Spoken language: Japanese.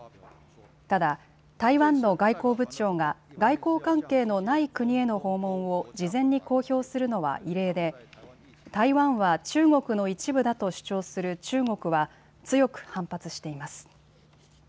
ただ、台湾の外交部長が外交関係のない国への訪問を事前に公表するのは異例で台湾は中国の一部だと主張する中国は強く反発しています。